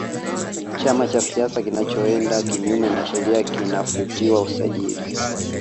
chama cha siasa kinachoenda kinyume na sheria kinafutiwa usajili